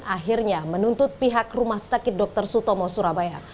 akhirnya menuntut pihak rumah sakit dr sutomo surabaya